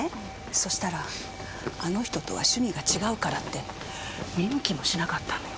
そしたら「あの人とは趣味が違うから」って見向きもしなかったのよ。